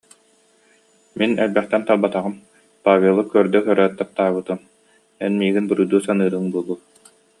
Мин элбэхтэн талбатаҕым, Павелы көрдө көрөөт таптаабытым, эн миигин буруйдуу саныырыҥ буолуо